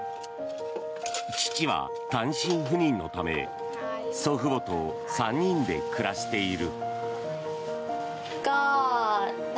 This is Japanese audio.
父は単身赴任のため祖父母と３人で暮らしている。